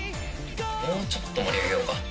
「もうちょっと盛り上げようか」